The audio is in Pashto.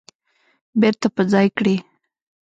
بیرته په ځای کړي